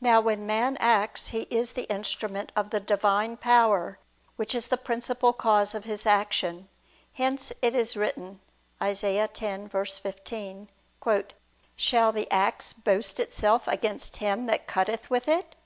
Now when man acts he is the instrument of the Divine power which is the principal cause of his action; hence it is written (Isa. 10:15): "Shall the axe boast itself against him that cutteth with it?